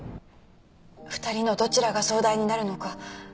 二人のどちらが総代になるのか。